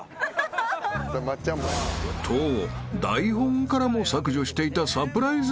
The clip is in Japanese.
［と台本からも削除していたサプライズ